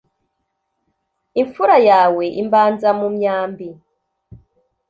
imfura yawe imbanzamumyambi